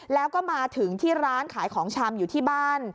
แล้วก็มาถึงที่ร้านขายของชำอยู่ที่บ้าน